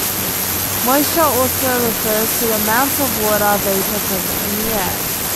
Moisture also refers to the amount of water vapour present in the air.